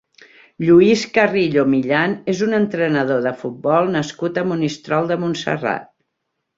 Lluís Carrillo Millan és un entrenador de futbol nascut a Monistrol de Montserrat.